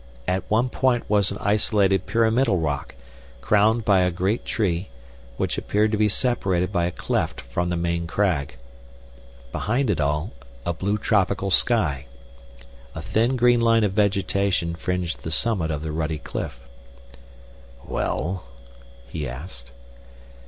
At one point was an isolated pyramidal rock, crowned by a great tree, which appeared to be separated by a cleft from the main crag. Behind it all, a blue tropical sky. A thin green line of vegetation fringed the summit of the ruddy cliff. "Well?" he asked.